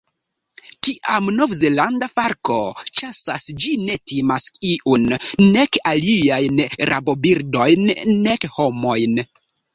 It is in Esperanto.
Kiam Novzelanda falko ĉasas ĝi ne timas iun, nek aliajn rabobirdojn, nek homojn.